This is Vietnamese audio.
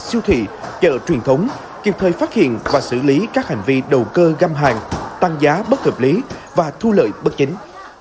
siêu thị chợ truyền thống kịp thời phát hiện và xử lý các hành vi đầu cơ găm hàng tăng giá bất hợp lý và thu lợi bất chính